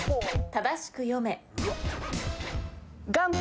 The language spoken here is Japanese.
正しく読め。